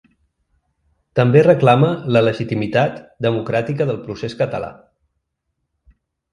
També reclama la legitimitat democràtica del procés català.